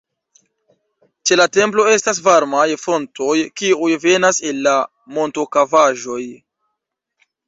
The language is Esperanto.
Ĉe la templo estas varmaj fontoj kiuj venas el la montokavaĵoj.